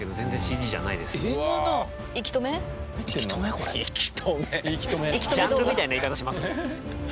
ジャンルみたいな言い方しますね。